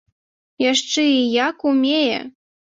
Яшчэ і як умее!